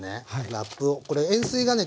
ラップをこれ塩水がね